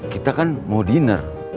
kita kan mau diner